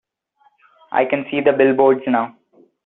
I can see the billboards now.